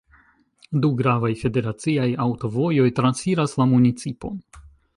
Du gravaj federaciaj aŭtovojoj transiras la municipon.